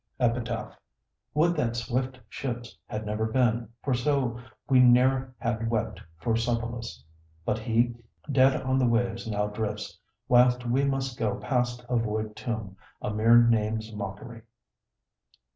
EPITAPH Would that swift ships had never been; for so We ne'er had wept for Sopolis: but he Dead on the waves now drifts; whilst we must go Past a void tomb, a mere name's mockery.